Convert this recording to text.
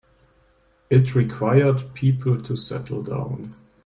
It required people to settle down.